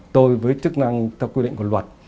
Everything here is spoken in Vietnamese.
tôi với chức năng theo quy định của luật